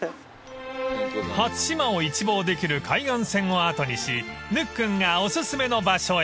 ［初島を一望できる海岸線を後にしぬっくんがお薦めの場所へ］